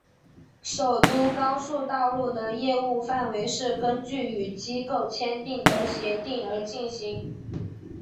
首都高速道路的业务范围是根据与机构签订的协定而进行。